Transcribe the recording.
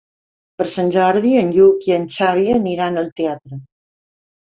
Per Sant Jordi en Lluc i en Xavi aniran al teatre.